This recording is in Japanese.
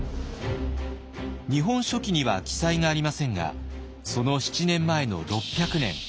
「日本書紀」には記載がありませんがその７年前の６００年。